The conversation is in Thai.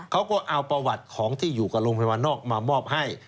เขาก็เอาประวัติของที่อยู่กับโรงพยาบาลนอกมามอบให้